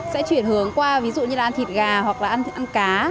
sẽ chuyển hướng qua ví dụ như là thịt gà hoặc là ăn cá